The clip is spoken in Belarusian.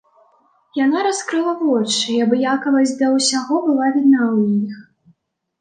Яна раскрыла вочы, і абыякавасць да ўсяго была відна ў іх.